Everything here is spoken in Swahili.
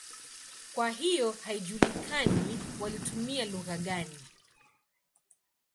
Kwa hiyo haijulikani walitumia lugha gani.